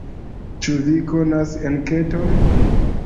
Ĉu vi konas enketon?